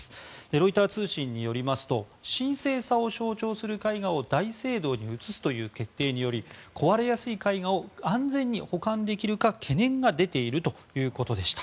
ロイター通信によりますと神聖さを象徴する絵画を大聖堂に移すという決定により壊れやすい絵画を安全に保管できるか懸念が出ているということでした。